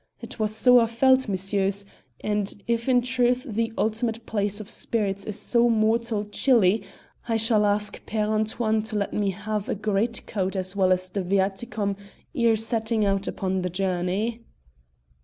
'Twas so I felt, messieurs, and if in truth the ultimate place of spirits is so mortal chilly, I shall ask Père Antoine to let me have a greatcoat as well as the viaticum ere setting out upon the journey."